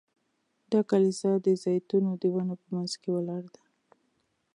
دا کلیسا د زیتونو د ونو په منځ کې ولاړه ده.